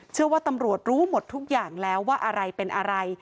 เชื่อว่าตำรวจรู้หมดทุกอย่างแล้วว่าอะไรเป็นอะไร